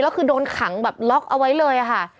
แล้วคือโดนขังแบบล็อกเอาไว้เลยค่ะ